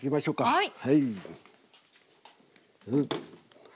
はい。